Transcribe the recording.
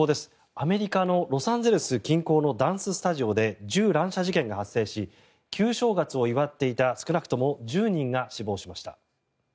アメリカのロサンゼルス近郊のダンススタジオで銃乱射事件が発生し旧正月を祝っていた少なくとも１０人が死亡しました。